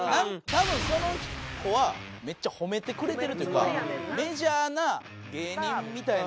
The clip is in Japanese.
多分その子はめっちゃ褒めてくれてるっていうかメジャーな芸人みたいなのになった。